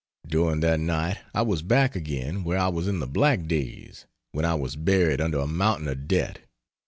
During that night I was back again where I was in the black days when I was buried under a mountain of debt.